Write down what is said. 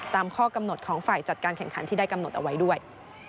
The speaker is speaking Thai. ข้อกำหนดของฝ่ายจัดการแข่งขันที่ได้กำหนดเอาไว้ด้วย